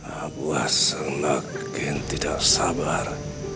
abah semakin tidak sabar